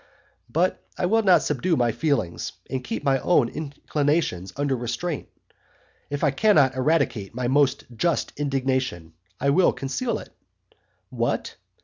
But I will subdue my feelings, and keep my own inclinations under restraint. If I cannot eradicate my most just indignation, I will conceal it. What?